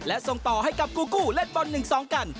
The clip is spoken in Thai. และส่งต่อให้กับกูกู้เล่นบอล๑๒กัน